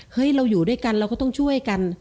เราอยู่ด้วยกันเราก็ต้องช่วยกัน